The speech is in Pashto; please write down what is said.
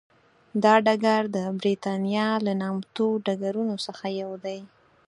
دا ډګر د برېتانیا له نامتو ډګرونو څخه یو دی.